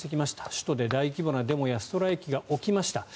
首都で大規模なデモやストライキが起きました。